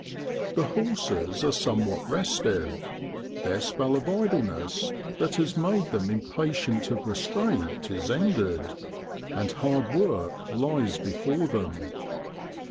The horses are some what restive ; their spell of idleness, that has made them impatient of restraint, is ended, and hard work lies before them.